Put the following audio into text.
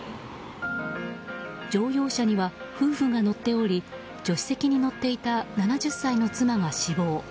乗用車には夫婦が乗っており助手席に乗っていた７０歳の妻が死亡。